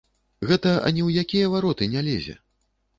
Гэта ані ў якія вароты не лезе.